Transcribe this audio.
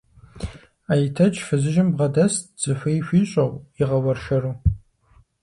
Айтэч фызыжьым бгъэдэст, зыхуей хуищӀэу, игъэуэршэру.